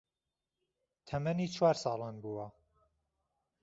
تەمەنی چوار ساڵان بووە